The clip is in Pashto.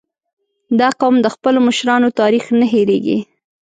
• دا قوم د خپلو مشرانو تاریخ نه هېرېږي.